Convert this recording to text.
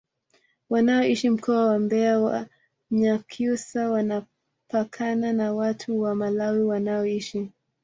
wanaoishi mkoa wa mbeya wanyakyusa wanapakana na watu wa malawi wanaoishi